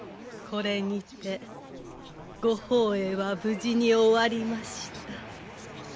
これにてご法会は無事に終わりました。